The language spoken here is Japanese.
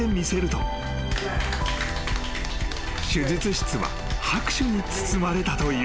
［手術室は拍手に包まれたという］